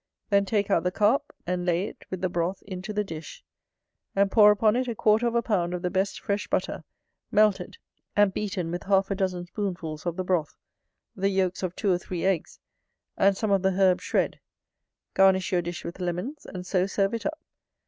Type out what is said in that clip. Then take out the Carp; and lay it, with the broth, into the dish; and pour upon it a quarter of a pound of the best fresh butter, melted, and beaten with half a dozen spoonfuls of the broth, the yolks of two or three eggs, and some of the herbs shred: garnish your dish with lemons, and so serve it up.